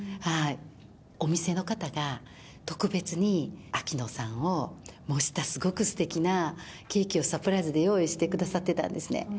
お店の方が特別に、秋野さんを模したすごくすてきなケーキをサプライズで用意してくださってたんですね。